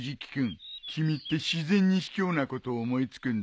君って自然にひきょうなことを思い付くんだね。